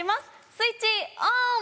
スイッチオン！